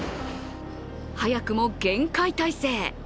早くも厳戒態勢。